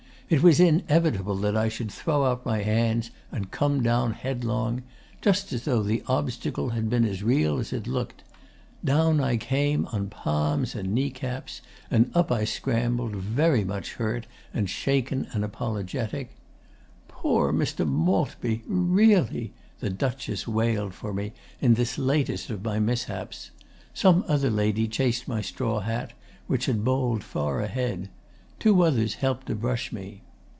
It was inevitable that I should throw out my hands and come down headlong just as though the obstacle had been as real as it looked. Down I came on palms and knee caps, and up I scrambled, very much hurt and shaken and apologetic. "POOR Mr. Maltby! REALLY !" the Duchess wailed for me in this latest of my mishaps. Some other lady chased my straw hat, which had bowled far ahead. Two others helped to brush me.